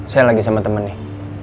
saya lagi sama temen nih